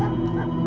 aku mau ke rumah